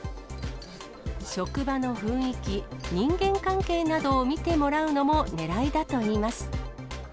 職場の雰囲気、人間関係などを見てもらうのもねらいだといいます。